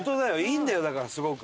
いいんだよだからすごく。